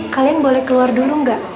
kalian boleh keluar dulu enggak